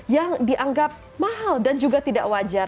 yang dianggap mahal dan juga tidak wajar